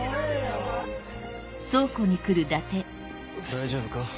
大丈夫か？